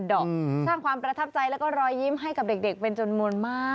ดอกสร้างความประทับใจแล้วก็รอยยิ้มให้กับเด็กเป็นจำนวนมาก